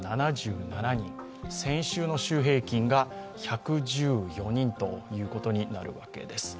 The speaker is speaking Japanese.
先週の週平均が１１４人ということになるわけです。